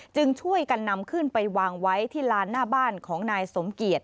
จึงช่วยกันนำขึ้นไปวางไว้ที่ลานหน้าบ้านของนายสมเกียจ